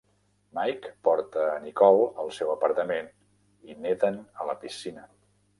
Mike porta a Nicole al seu apartament, i neden a la piscina.